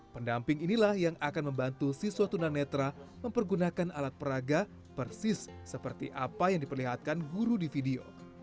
pendamping inilah yang akan membantu siswa tunanetra mempergunakan alat peraga persis seperti apa yang diperlihatkan guru di video